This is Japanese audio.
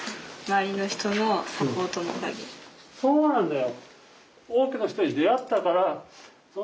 そうなんだよ。